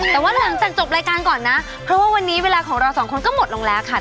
แต่ว่าหลังจากจบรายการก่อนนะเพราะว่าวันนี้เวลาของเราสองคนก็หมดลงแล้วค่ะ